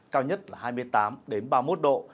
cao nhất là hai mươi tám ba mươi một độ